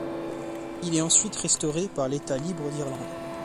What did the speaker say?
Il est ensuite restauré par l’État libre d'Irlande.